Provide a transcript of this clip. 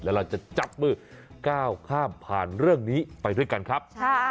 แล้วเราจะจับมือก้าวข้ามผ่านเรื่องนี้ไปด้วยกันครับ